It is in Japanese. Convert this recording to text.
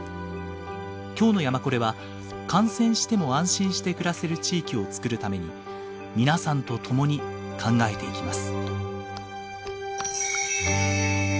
今日の「やまコレ」は感染しても安心して暮らせる地域をつくるために皆さんと共に考えていきます。